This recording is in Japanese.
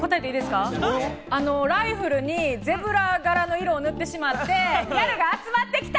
ライフルにゼブラ柄の色を塗ってしまって、ギャルが集まってきた！